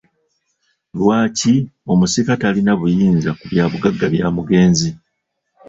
Lwaki omusika talina buyinza ku byabugagga bya mugenzi?